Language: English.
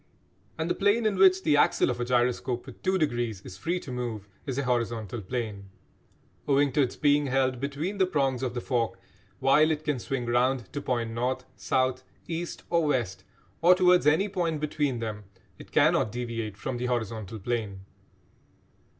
And the plane in which the axle of a gyroscope with "two degrees" is free to move is a horizontal plane. Owing to its being held between the prongs of the fork, while it can swing round to point north, south, east or west, or towards any point between them, it cannot deviate from the horizontal plane.